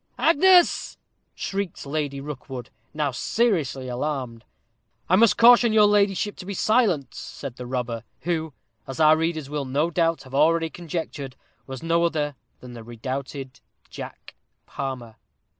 "Agnes!" shrieked Lady Rookwood, now seriously alarmed. "I must caution your ladyship to be silent," said the robber, who, as our readers will no doubt have already conjectured, was no other than the redoubted Jack Palmer.